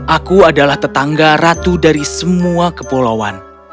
aku adalah tetangga ratu dari semua kepulauan